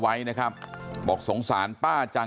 สวัสดีครับคุณผู้ชาย